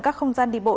các không gian đi bộ